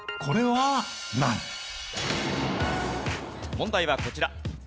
問題はこちら。